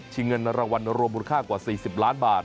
เงินรางวัลรวมมูลค่ากว่า๔๐ล้านบาท